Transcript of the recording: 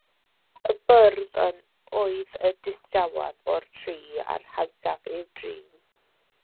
Y bwrdd oedd y distawaf o'r tri a'r hawsaf i'w drin.